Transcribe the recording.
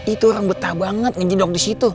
itu orang betah banget ngejendok di situ